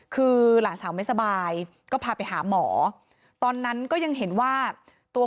คือหลานสาวไม่สบายก็พาไปหาหมอตอนนั้นก็ยังเห็นว่าตัว